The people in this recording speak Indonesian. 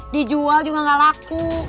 dijual juga ga laku